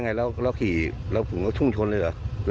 แล้วเอาขี่เราถุงทุนขึ้นเลยเหรอ